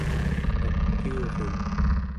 makiurun